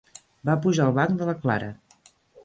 Va pujar al banc de la Clara.